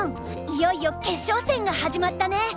いよいよ決勝戦が始まったね。